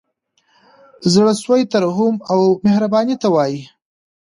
زړه سوی ترحم او مهربانۍ ته وايي.